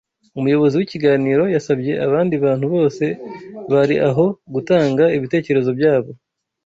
umuyobozi w’ikiganiro yasabye abandi bantu bose bari aho gutanga ibitekerezo byabo